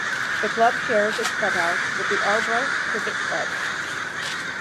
The club shares its clubhouse with the Arbroath Cricket Club.